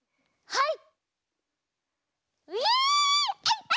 はい。